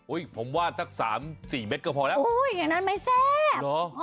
อุ้ยผมว่าตั้ง๓๔เม็ดก็พอแล้วอุ้ยอย่างนั้นไม่แซ่บ